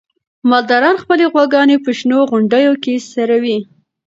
مالداران خپلې غواګانې په شنو غونډیو کې څروي.